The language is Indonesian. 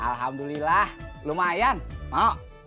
alhamdulillah lumayan mau